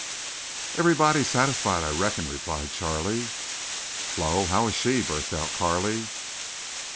"Everybody satisfied, I reckon," replied Charley. "Flo—how is she?" burst out Carley.